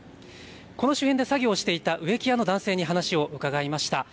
この周辺で作業をしていた植木屋の男性に話を伺いました。